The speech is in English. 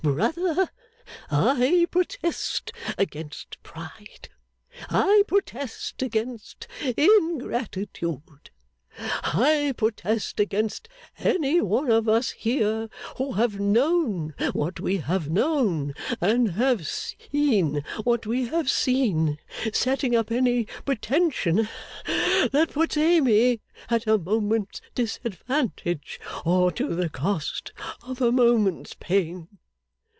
'Brother, I protest against pride. I protest against ingratitude. I protest against any one of us here who have known what we have known, and have seen what we have seen, setting up any pretension that puts Amy at a moment's disadvantage, or to the cost of a moment's pain.